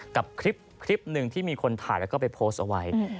กับคลิปหนึ่งที่มีคนถ่ายแล้วก็ไปโพสต์เอาไว้